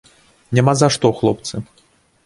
Няма за што, хлопцы!